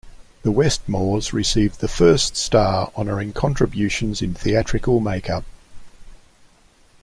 The Westmores received the first star honoring contributions in theatrical make-up.